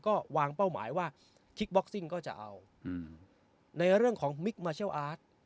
ก็วางเป้าหมายว่าคิกบ็อกซิ่งก็จะเอาในเรื่องของมิคมาเชลอาร์ต